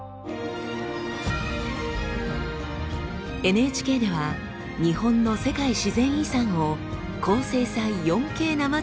ＮＨＫでは日本の世界自然遺産を高精細４Ｋ生中継で巡っています。